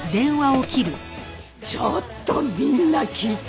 ちょっとみんな聞いて。